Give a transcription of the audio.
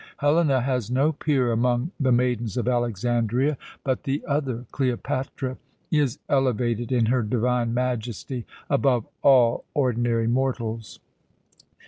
"Helena has no peer among the maidens of Alexandria but the other Cleopatra is elevated in her divine majesty above all ordinary mortals.